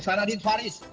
farah din faris